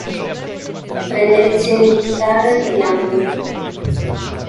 Prende lezioni di chitarra e di piano.